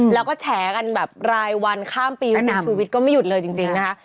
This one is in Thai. แล้วก็แฉกันแบบรายวันข้ามปีว่าคุณชูวิทย์ก็ไม่หยุดเลยจริงนะคะ